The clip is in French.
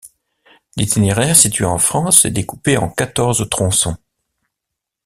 L'itinéraire situé en France est découpé en quatorze tronçons.